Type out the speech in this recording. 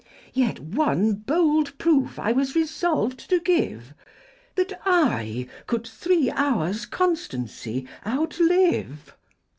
Yet One hold Proof I was resolv'd to give, That I cou'd three Hours Constancy Out live.